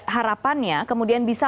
harapannya kemudian bisa